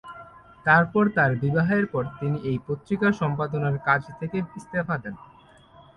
তারপর তাঁর বিবাহের পর তিনি এই পত্রিকা সম্পাদনার কাজ থেকে ইস্তফা দেন।